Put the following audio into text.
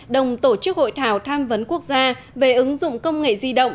đồng tổ chức hội thảo tham vấn quốc gia về ứng dụng công nghệ di động